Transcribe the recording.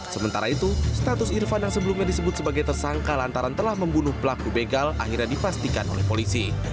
sementara itu status irfan yang sebelumnya disebut sebagai tersangka lantaran telah membunuh pelaku begal akhirnya dipastikan oleh polisi